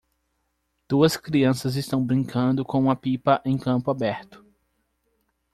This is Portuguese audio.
Duas crianças estão brincando com uma pipa em campo aberto.